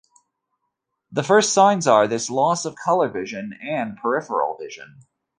The first signs of this are loss of colour vision and peripheral vision.